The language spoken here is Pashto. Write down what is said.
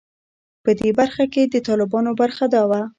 په دې برخه کې د طالبانو برخه دا وه.